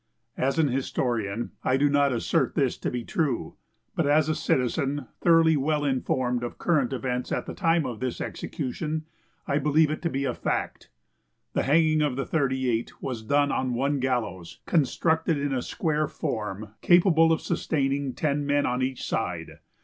As an historian, I do not assert this to be true, but as a citizen, thoroughly well informed of current events at the time of this execution, I believe it to be a fact. The hanging of the thirty eight was done on one gallows, constructed in a square form, capable of sustaining ten men on each side.